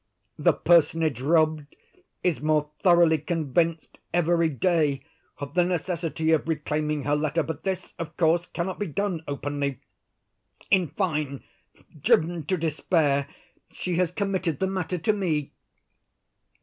The personage robbed is more thoroughly convinced, every day, of the necessity of reclaiming her letter. But this, of course, cannot be done openly. In fine, driven to despair, she has committed the matter to me."